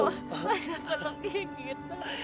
kok saya peluknya gitu